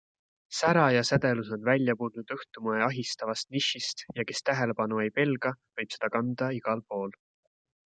Sära ja sädelus on välja murdnud õhtumoe ahistavast nišist ja kes tähelepanu ei pelga, võib seda kanda igal pool.